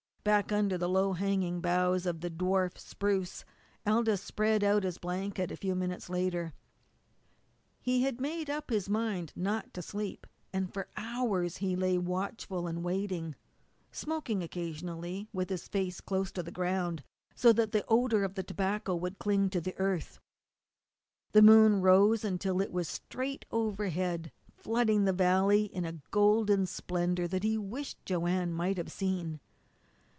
Back under the low hanging boughs of the dwarf spruce Aldous spread out his blanket a few minutes later. He had made up his mind not to sleep, and for hours he lay watchful and waiting, smoking occasionally, with his face close to the ground so that the odour of tobacco would cling to the earth. The moon rose until it was straight overhead, flooding the valley in a golden splendour that he wished Joanne might have seen.